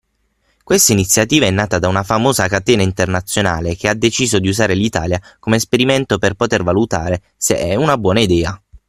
Questa iniziativa è nata da una famosa catena internazionale che ha deciso di usare l'Italia come esperimento per poter valutare se è una buona idea.